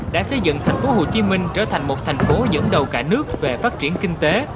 đã xây dựng thành phố hồ chí minh trở thành một thành phố dẫn đầu cả nước về phát triển kinh tế